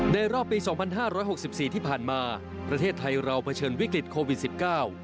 รอบปีสองพันห้าร้อยหกสิบสี่ที่ผ่านมาประเทศไทยเราเผชิญวิกฤตโควิดสิบเก้า